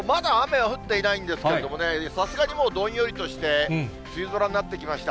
まだ雨は降っていないんですけれども、さすがにもう、どんよりとして、梅雨空になってきました。